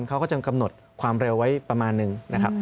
เขาก็จะกำหนดความเร็วไว้ประมาณนึงนะครับ